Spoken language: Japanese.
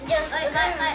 はいはい！